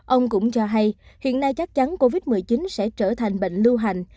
ông cũng cho hay hiện nay chắc chắn covid một mươi chín sẽ trở thành bệnh lưu hành